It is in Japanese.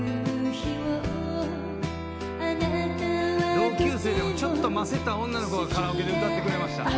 同級生でもちょっとませた女の子がカラオケで歌ってくれました。